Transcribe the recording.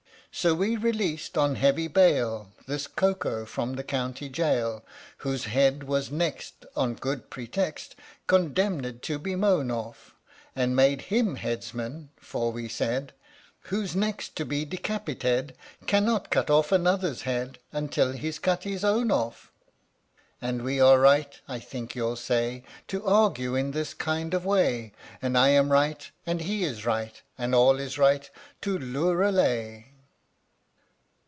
So we released on heavy bail This Koko from the county jail (Whose head was next On good pretext Condemned to be mown off), And made him headsman, for we said " Who's next to be decapited Cannot cut off another's head Until he 's cut his own off." THE STORY OF THE MIKADO And we are right, I think you'll say, To argue in this kind of way, And I am right, And he is right, And all is right too looral lay!